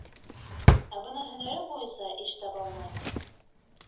Ә бына һөнәрем буйынса эш таба алмайым.